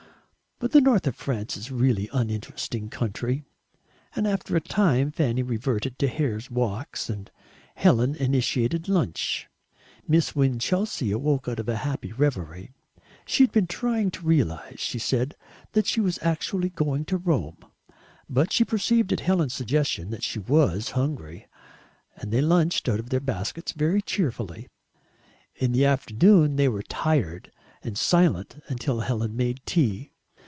But the north of France is really uninteresting country, and after a time Fanny reverted to Hare's Walks and Helen initiated lunch. Miss Winchelsea awoke out of a happy reverie; she had been trying to realise, she said, that she was actually going to Rome, but she perceived at Helen's suggestion that she was hungry, and they lunched out of their baskets very cheerfully. In the afternoon they were tired and silent until Helen made tea.